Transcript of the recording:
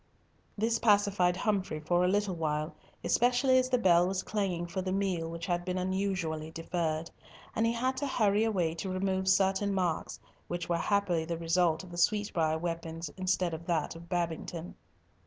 This pacified Humfrey for a little while, especially as the bell was clanging for the meal which had been unusually deferred, and he had to hurry away to remove certain marks, which were happily the result of the sweetbrier weapons instead of that of Babington.